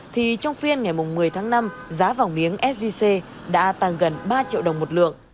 thì trong phiên ngày một mươi tháng năm giá vàng miếng sgc đã tăng gần ba triệu đồng một lượng